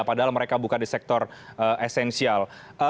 padahal mereka bukan di sektor esensial